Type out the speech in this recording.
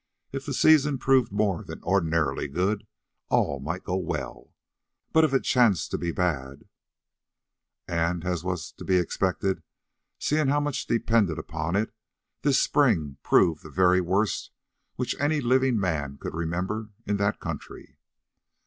If the season proved more than ordinarily good, all might go well, but if it chanced to be bad——! And, as was to be expected, seeing how much depended upon it, this spring proved the very worst which any living man could remember in that country.